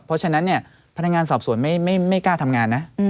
เพราะฉะนั้นเนี่ยพนักงานสอบสวนไม่กล้าทำงานนะ